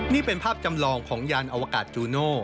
นี่เป็นภาพจำลองของยานอวกาศจูโน่